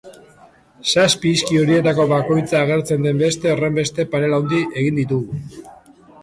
Zazpi hizki horietako bakoitza agertzen den beste horrenbeste panel handi egin ditugu.